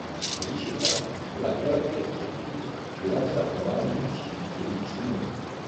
V říši Chan byla hierarchie úředníků vyjádřena formální výší jejich příjmu.